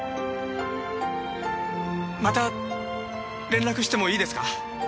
また連絡してもいいですか？